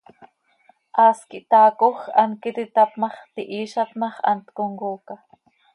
Haas quih taacoj, hant quih iti tap ma x, tihiizat ma x, hant comcooca.